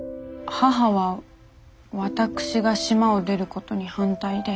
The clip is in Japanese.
母は私が島を出ることに反対で。